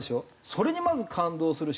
それにまず感動するし。